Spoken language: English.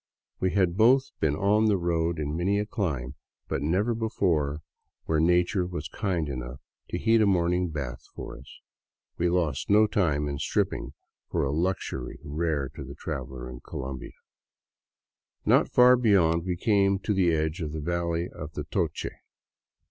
We had both been on the road in many a clime, but never before where nature was kind enough to heat a morning bath for us. We lost no time in stripping for a luxury rare to the traveler in Colombia. Not far beyond we came to the edge of the valley of the Toche.